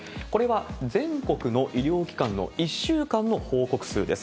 これは全国の医療機関の１週間の報告数です。